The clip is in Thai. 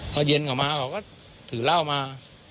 พอเย็นเขามาเขาก็ถือเหล้ามา